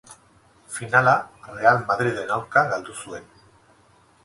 Finala Real Madriden aurka galdu zuen.